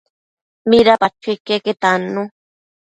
Midapadquio iqueque tannu